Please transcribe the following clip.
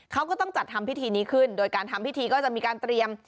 เขาก็ต้องจัดทำพิธีนี้ขึ้นโดยการทำพิธีก็จะมีการเตรียม